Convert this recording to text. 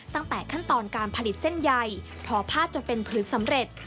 ตั้งแต่ขั้นตอนการผลิตเส้นใยทอผ้าจนเป็นผืนสำเร็จ